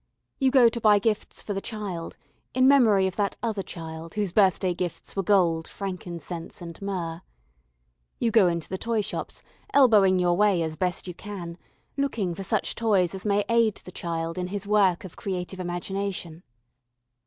You go to buy gifts for the child, in memory of that Other Child whose birthday gifts were gold, frankincense, and myrrh. You go into the toyshops, elbowing your way as best you can, looking for such toys as may aid the child in his work of creative imagination.